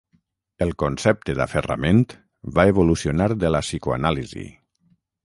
El concepte d’aferrament va evolucionar de la Psicoanàlisi.